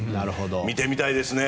見てみたいですね。